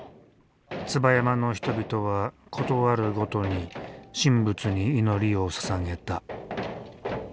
椿山の人々はことあるごとに神仏に祈りをささげた。